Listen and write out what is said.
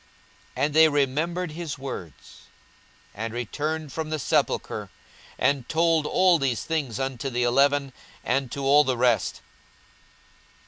42:024:008 And they remembered his words, 42:024:009 And returned from the sepulchre, and told all these things unto the eleven, and to all the rest.